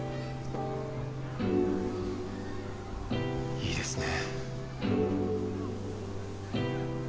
いいですね。